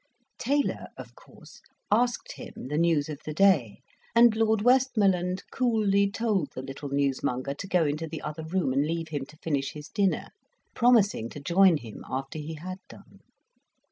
Taylor, of course, asked him the news of the day, and Lord Westmoreland coolly told the little newsmonger to go into the other room and leave him to finish his dinner, promising to join him after he had done.